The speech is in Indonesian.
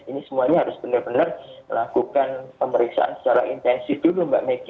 ini semuanya harus benar benar lakukan pemeriksaan secara intensif dulu mbak megi